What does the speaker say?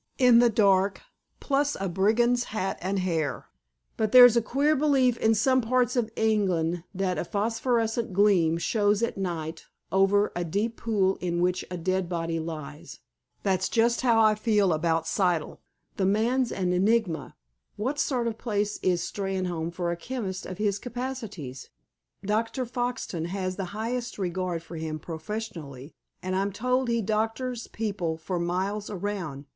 In the dark, plus a brigand's hat and hair. But there's a queer belief in some parts of England that a phosphorescent gleam shows at night over a deep pool in which a dead body lies. That's just how I feel about Siddle. The man's an enigma. What sort of place is Steynholme for a chemist of his capacities? Dr. Foxton has the highest regard for him professionally, and I'm told he doctors people for miles around.